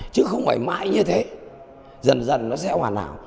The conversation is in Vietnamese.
chứ không phải mãi như thế dần dần nó sẽ hoàn hảo